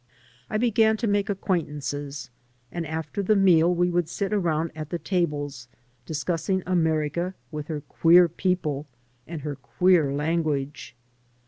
I began to make acquaintances; and after th# meal we would sit around at the tables, discussing America with her queer people and her queer language.